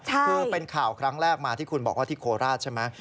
คือเป็นข่าวครั้งแรกมาที่คุณบอกว่าที่โคราชใช่ไหม